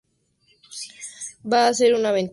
Va a ser una aventura“.